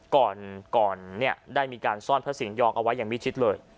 ก่อนเนี่ยได้มีการซ่อนพระสิงหยองเอาไว้อย่างมิชิดเลย